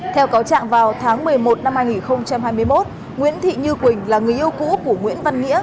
theo cáo trạng vào tháng một mươi một năm hai nghìn hai mươi một nguyễn thị như quỳnh là người yêu cũ của nguyễn văn nghĩa